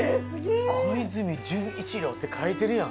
「小泉純一郎」って書いてるやん。